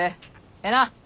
ええな？